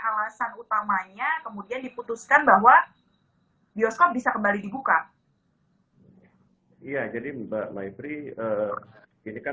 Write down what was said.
alasan utamanya kemudian diputuskan bahwa bioskop bisa kembali dibuka iya jadi mbak maibri ini kan